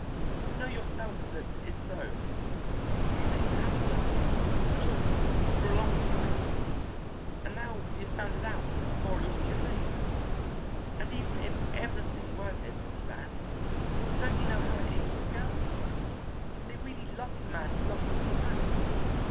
You know yourself that is so. We really haven't loved each other at all for a long time, and now we have found it out before it was too late. And even if everything were different, Van, don't you know how it is with girls? They really love the man who loves them the most.